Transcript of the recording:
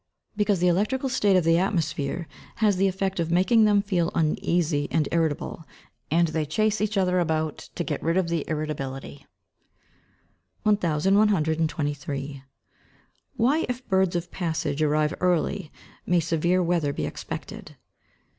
_ Because the electrical state of the atmosphere has the effect of making them feel uneasy and irritable, and they chase each other about to get rid of the irritability. 1123. _Why if birds of passage arrive early, may severe weather be expected?